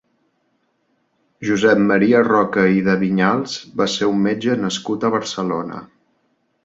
Josep Maria Roca i de Vinyals va ser un metge nascut a Barcelona.